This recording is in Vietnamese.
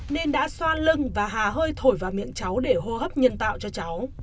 nên đã xoa lưng và hà hơi thổi vào miệng cháu để ho sốt